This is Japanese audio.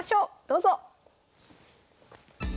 どうぞ。